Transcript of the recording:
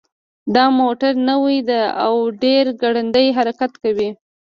دا موټر نوی ده او ډېر ګړندی حرکت کوي